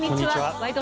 「ワイド！